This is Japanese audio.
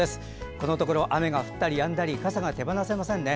このところ雨が降ったりやんだり傘が手放せませんね。